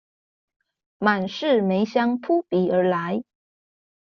滿室梅香撲鼻而來